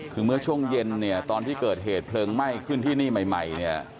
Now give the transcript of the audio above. คือเมื่อช่วงเย็นเนี่ยตอนที่เกิดเหตุเพลิงไหม้ขึ้นที่นี่ใหม่เนี่ย